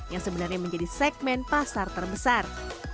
yang sebenarnya menjadi segmen pasar terbesar